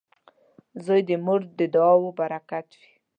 • زوی د مور د دعاو برکت وي.